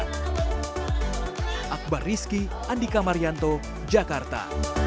dari kampung andika maryanto jakarta